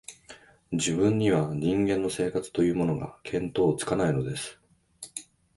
自分には、人間の生活というものが、見当つかないのです